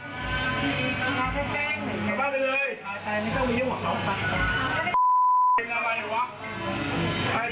แล้วผมว่าอะไร